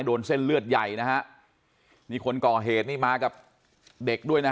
โดนเส้นเลือดใหญ่นี่คนก่อเหตุมากับเด็กด้วย